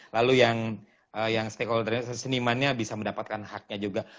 lalu yang stakeholder nya senimanya bisa mendapatkan haknya juga